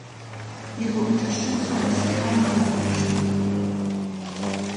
Ihre Unterstützung ist kein Blankoscheck.